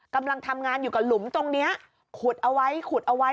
กำลังทำงานอยู่กับหลุมตรงนี้ขุดเอาไว้ขุดเอาไว้